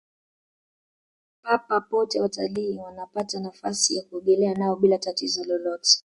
papa pote watalii wanapata nafasi ya kuogelea nao bila tatizo lolote